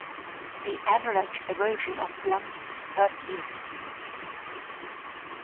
The average erosion of bluffs is per year.